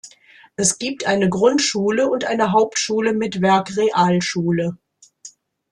Es gibt eine Grundschule und eine Hauptschule mit Werkrealschule.